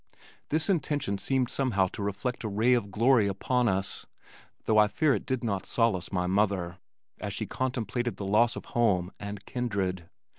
This intention seemed somehow to reflect a ray of glory upon us, though I fear it did not solace my mother, as she contemplated the loss of home and kindred.